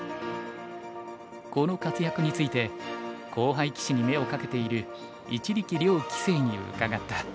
この活躍について後輩棋士に目をかけている一力遼棋聖に伺った。